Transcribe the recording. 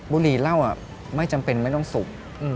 บุรีเหล้าไม่จำเป็นไม่ต้องสูบ